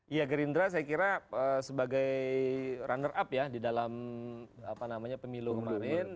ya gerindra saya kira sebagai runner up ya di dalam pemilu kemarin